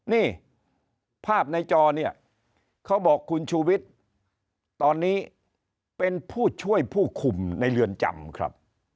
นี่ภาพในจอเนี่ยเขาบอกคุณชูวิทย์ตอนนี้เป็นผู้ช่วยผู้คุมในเรือนจำครับ